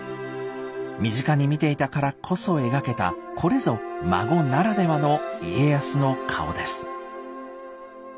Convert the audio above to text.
身近に見ていたからこそ描けたこれぞ孫ならではの「家康の顔」です。